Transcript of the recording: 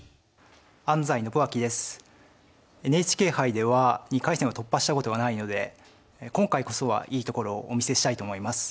ＮＨＫ杯では２回戦を突破したことがないので今回こそはいいところをお見せしたいと思います。